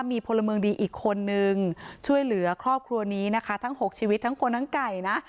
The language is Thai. มีพลเมืองดีอีกคนนึงช่วยเหลือครอบครัวนี้นะคะทั้ง๖ชีวิตทั้งคนทั้งไก่นะ